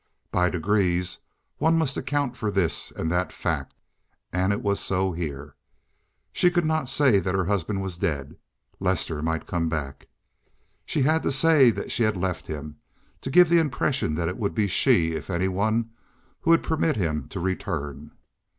By degrees one must account for this and that fact, and it was so here. She could not say that her husband was dead. Lester might come back. She had to say that she had left him—to give the impression that it would be she, if any one, who would permit him to return.